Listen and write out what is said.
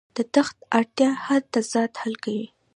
د تخت اړتیا هر تضاد حل کوي.